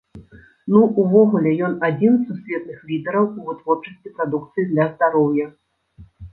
Ну, увогуле ён адзін з сусветных лідэраў у вытворчасці прадукцыі для здароўя.